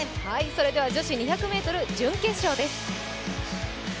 それでは女子２００ｍ準決勝です。